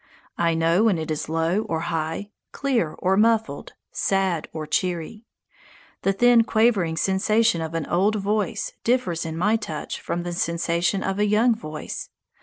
I know when it is low or high, clear or muffled, sad or cheery. The thin, quavering sensation of an old voice differs in my touch from the sensation of a young voice.